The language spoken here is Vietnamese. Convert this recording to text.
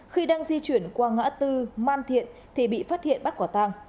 khi đang di chuyển qua ngã tư man thiện thì bị phát hiện bắt quả tàng